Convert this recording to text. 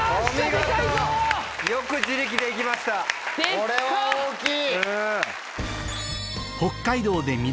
これは大きい！